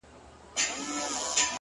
ځكه چي دا خو د تقدير فيصله،